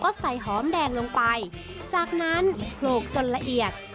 ก็ใส่หอมแดงลงไปจากนั้นโผลกจนละเอียด